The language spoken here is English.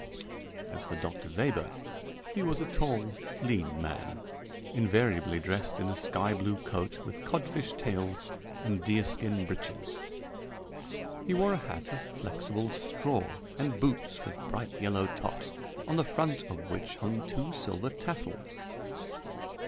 As for Dr. Weber, he was a tall, lean man, invariably dressed in a sky blue coat with codfish tails and deerskin breeches. He wore a hat of flexible straw and boots with bright yellow tops, on the front of which hung two silver tassels.